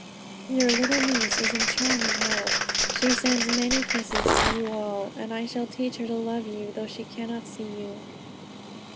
"Your little niece is in charming health. She sends many kisses to you all, and I shall teach her to love you, though she cannot see you."